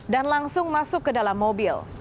dan langsung masuk ke dalam mobil